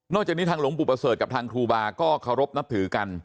จากนี้ทางหลวงปู่ประเสริฐกับทางครูบาก็เคารพนับถือกัน